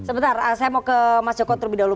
sebentar saya mau ke mas joko terlebih dahulu